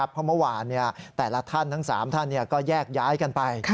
เพราะเมื่อวานแต่ละท่านทั้ง๓ท่านก็แยกย้ายกันไป